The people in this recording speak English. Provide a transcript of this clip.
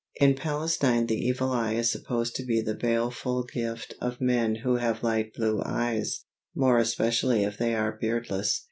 ] In Palestine the Evil Eye is supposed to be the baleful gift of men who have light blue eyes, more especially if they are beardless.